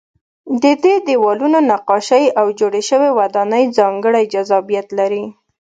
د دې دیوالونو نقاشۍ او جوړې شوې ودانۍ ځانګړی جذابیت لري.